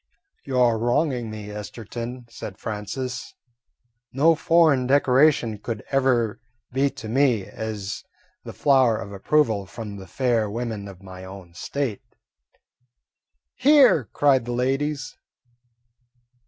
"You 're wronging me, Esterton," said Francis. "No foreign decoration could ever be to me as much as the flower of approval from the fair women of my own State." "Hear!" cried the ladies.